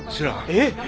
えっ。